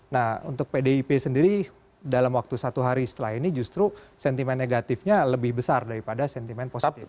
nah untuk pdip sendiri dalam waktu satu hari setelah ini justru sentimen negatifnya lebih besar daripada sentimen positif